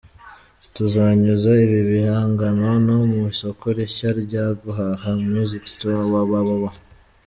Tuzanyuza ibi bihangano no mu isoko rishya rya Guhaha Music Store www.